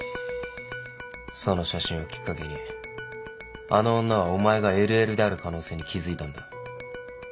その写真をきっかけにあの女はお前がＬＬである可能性に気付いたんだ。